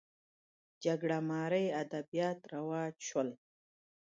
جګړه مارۍ ادبیات رواج شول